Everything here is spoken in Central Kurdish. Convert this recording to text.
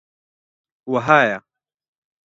وەهایە: